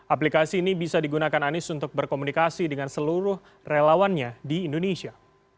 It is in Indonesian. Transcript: aplikasi ini bisa digunakan anies untuk berkomunikasi dengan seluruh relawannya di indonesia